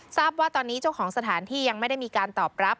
ทราบว่าตอนนี้เจ้าของสถานที่ยังไม่ได้มีการตอบรับ